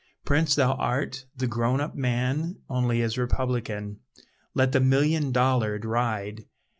Prince thou art, the grown up man Only is republican. Let the million dollared ride!